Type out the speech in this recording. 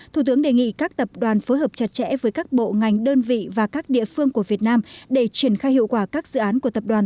thủ tướng đề nghị các tập đoàn phối hợp chặt chẽ với các bộ ngành đơn vị và các địa phương của việt nam để triển khai hiệu quả các dự án của tập đoàn